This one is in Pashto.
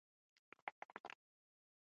تاسو بايد سمې کلمې وکاروئ.